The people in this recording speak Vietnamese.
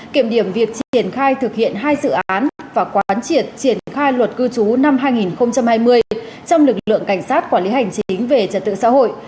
kiểm điểm việc triển khai thực hiện hai dự án và quán triệt triển khai luật cư trú năm hai nghìn hai mươi trong lực lượng cảnh sát quản lý hành chính về trật tự xã hội